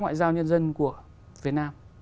ngoại giao nhân dân của việt nam